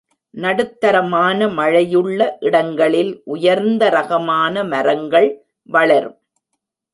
நடுத்தரமான மழையுள்ள இடங்களில் உயர்ந்த ரகமான மரங்கள் வளரும்.